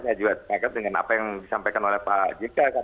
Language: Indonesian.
saya juga sepakat dengan apa yang disampaikan oleh pak jk